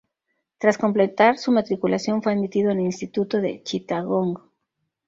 Tras completar su matriculación, fue admitido en el Instituto de Chittagong.